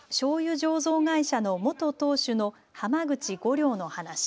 醸造会社の元当主の濱口梧陵の話。